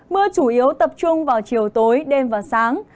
mưa chủ yếu tập trung vào chiều tối đêm và sáng